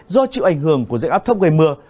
do chịu ảnh hưởng của dây áp thấp gầy mưa